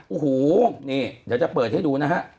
โอ้โหนี่เดี๋ยวจะเปิดให้ดูนะฮะ